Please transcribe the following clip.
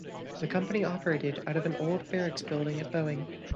The company operated out of an old barracks building at Boeing.